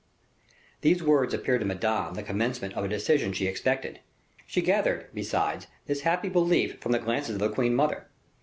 These words appeared to Madame the commencement of a decision she expected. She gathered, besides, this happy belief from the glances of the queen mother.